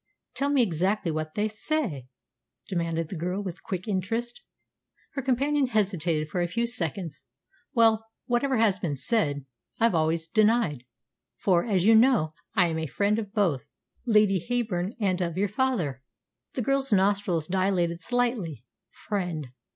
"Tell me exactly what they say," demanded the girl, with quick interest. Her companion hesitated for a few seconds. "Well, whatever has been said, I've always denied; for, as you know, I am a friend of both Lady Heyburn and of your father." The girl's nostrils dilated slightly. Friend!